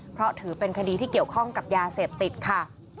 เพราะถือเป็นคดีที่เกี่ยวข้องกับยาเสพติดค่ะ